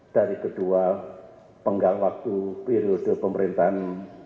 dari kedua penggal waktu periode pemerintahan